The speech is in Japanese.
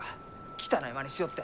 汚いマネしよって！